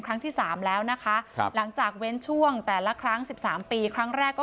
ครั้งที่สามแล้วนะคะครับหลังจากเว้นช่วงแต่ละครั้งสิบสามปีครั้งแรกก็